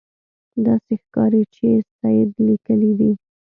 داسې ښکاري چې سید لیکلي دي.